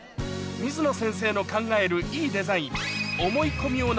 水野先生の考えるいいデザイン